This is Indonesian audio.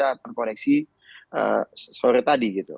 barulah bisa terkoneksi sore tadi gitu